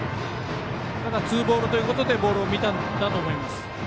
ただツーボールということでボールを見たと思います。